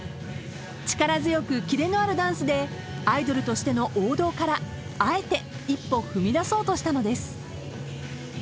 ［力強くキレのあるダンスでアイドルとしての王道からあえて一歩踏み出そうとしたのです］